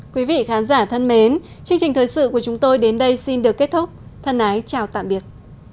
quý vị khán giả thân mến chương trình thời sự của chúng tôi đến đây xin được kết thúc thân ái chào tạm biệt